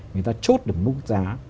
người ta chốt được mức giá